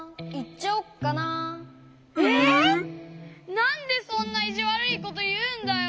なんでそんないじわるいこというんだよ！